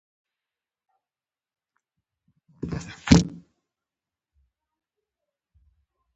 د ننګرهار مرستيال